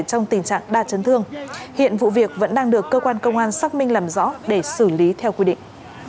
trong tình trạng đa chấn thương hiện vụ việc vẫn đang được cơ quan công an xác minh làm rõ để xử lý theo quy định